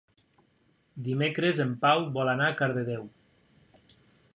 Dimecres en Pau vol anar a Cardedeu.